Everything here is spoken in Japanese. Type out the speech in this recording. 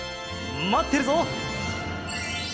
まってるぞ！